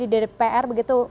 di dpr begitu